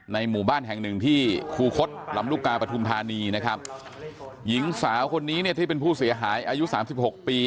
หมู่บ้านแห่งหนึ่งที่คูคศลำลูกกาปฐุมธานีนะครับหญิงสาวคนนี้เนี่ยที่เป็นผู้เสียหายอายุสามสิบหกปี